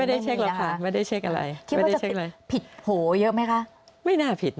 ไม่ได้ใครไปเองแอบเช็คมาให้ว่าท่านนี้ยืนยันคำเป็นแบบนี้